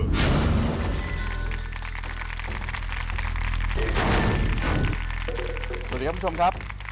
สวัสดีครับคุณผู้ชมครับ